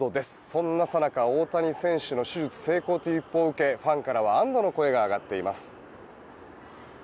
そんなさなか、大谷選手の手術成功という一報を受けファンからは安堵の声が上がっています。